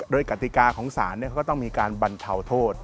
โดยกติกาของศาลก็ต้องมีการบรรเทาโทษ